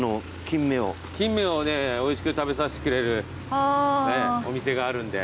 キンメをねおいしく食べさせてくれるお店があるんで。